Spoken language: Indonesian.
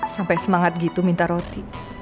sampai semangat gitu minta roti